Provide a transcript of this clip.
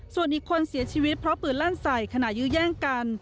ส่วนอีกคนเสียชีวิตเพราะปืนลั่นใส่ขณะยื้อแย่งกัน